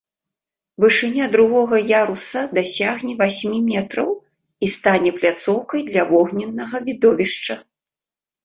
Вышыня другога яруса дасягне васьмі метраў і стане пляцоўкай для вогненнага відовішча.